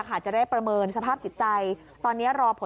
มาแบบร้องแพทย์นี่นะค่ะ